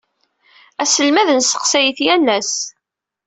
Aselmad nesseqsay-it yal ass.